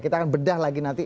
kita akan bedah lagi nanti